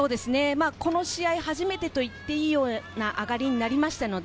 この試合、初めてと言っていいような上がりになりました。